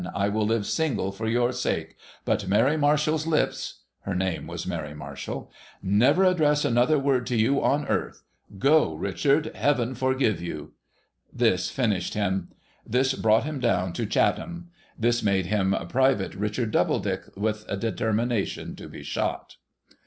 I will live single for your sake, but Mary Marshall's lips '— her name was Mary Marshall —' never address another word to you on earth. Go, Richard ! Heaven forgive youl' This finished him. This brought him down to Chatham. This made him Private Richard Doubledick, with a determination to be shot.